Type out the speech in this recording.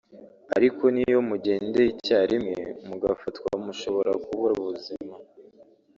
ariko n’iyo mugendeye icyarimwe mugafatwa mushobora kubura ubuzima